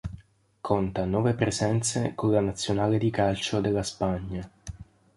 Conta nove presenze con la Nazionale di calcio della Spagna.